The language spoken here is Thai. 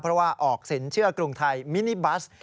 เพราะว่าออกสินเชื่อกรุงไทยมินิบัส